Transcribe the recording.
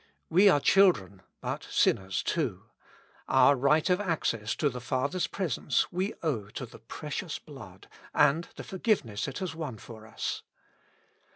We are children, but sinners, too ; our right of access to the Father's presence we owe to the precious blood and the for giveness it has won for us.